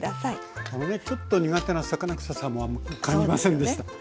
ちょっと苦手な魚くささも感じませんでした。